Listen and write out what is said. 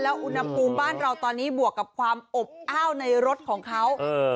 อุณหภูมิบ้านเราตอนนี้บวกกับความอบอ้าวในรถของเขา